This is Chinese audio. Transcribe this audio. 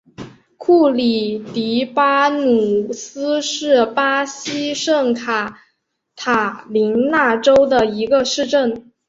库里蒂巴努斯是巴西圣卡塔琳娜州的一个市镇。